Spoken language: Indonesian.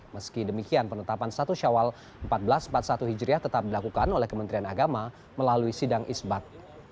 meski demikian penetapan satu syawal seribu empat ratus empat puluh satu hijriah tetap dilakukan oleh kementerian agama melalui sidang isbat